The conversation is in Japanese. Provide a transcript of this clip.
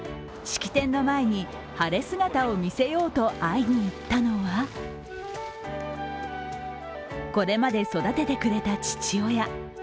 式典の前に晴れ姿を見せようと会いに行ったのはこれまで育ててくれた父親。